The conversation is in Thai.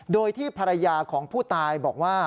โดยที่ภรรยาของผู้ตายบอกว่า